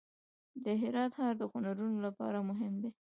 د هرات ښار د هنرونو لپاره مهم دی.